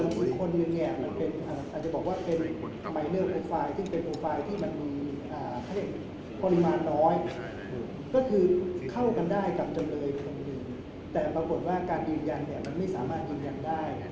คือเข้ากันได้กับจำเลยคนหนึ่งแต่ปรากฏว่าการยืนยันมันไม่สามารถยืนยันได้